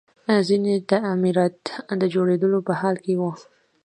ځینې تعمیرات د جوړېدلو په حال کې وو